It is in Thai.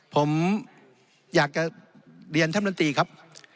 ผมอยากจะเรียนท่านมนตรีครับ